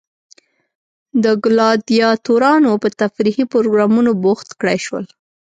د ګلادیاتورانو په تفریحي پروګرامونو بوخت کړای شول.